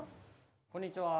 こんにちは。